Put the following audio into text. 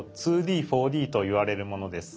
２Ｄ：４Ｄといわれるものです。